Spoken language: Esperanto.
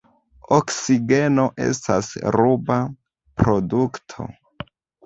Oksigeno estas ruba produkto.